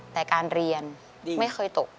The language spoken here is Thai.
แต่การเรียนไม่เคยตก